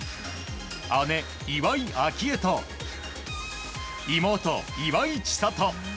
姉・岩井明愛と妹・岩井千怜。